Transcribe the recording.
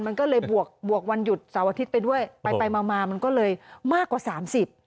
มันก็เลยบวกบวกวันหยุดเสาร์อาทิตย์ไปด้วยไปไปมามามันก็เลยมากกว่าสามสิบ